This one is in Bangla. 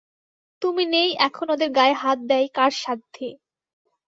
তুমি নেই এখন ওদের গায়ে হাত দেয় কার সাধ্যি।